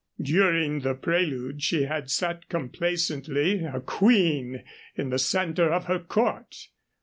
During the prelude she had sat complaisantly, a queen in the center of her court.